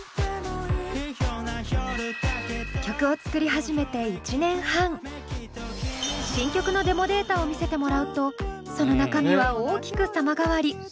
そう思った時に新曲のデモデータを見せてもらうとその中身は大きく様変わり。